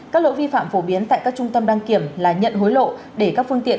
các lỗi vi phạm phổ biến tại các trung tâm đăng kiểm là nhận hối lộ để các phương tiện